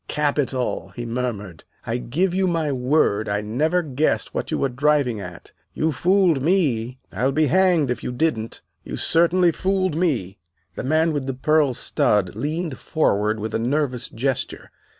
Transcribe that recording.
"Capital!" he murmured. "I give you my word I never guessed what you were driving at. You fooled me, I'll be hanged if you didn't you certainly fooled me." The man with the pearl stud leaned forward with a nervous gesture.